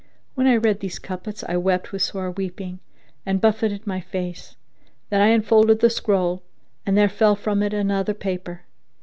When I read these couplets, I wept with sore weeping and buffeted my face; then I unfolded the scroll, and there fell from it an other paper.